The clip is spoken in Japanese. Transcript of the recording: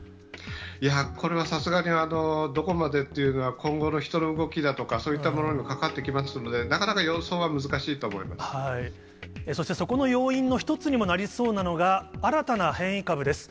いや、これはさすがにどこまでというのは、今後の人の動きだとか、そういったものにも関わってきますので、なかなか予想は難しいとそして、そこの要因の一つにもなりそうなのが、新たな変異株です。